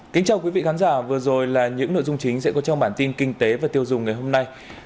kính chào quý vị khán giả vừa rồi là những nội dung chính sẽ có trong bản tin kinh tế và tiêu dùng ngày hôm nay